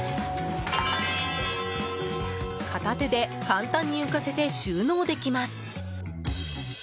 片手で簡単に浮かせて収納できます。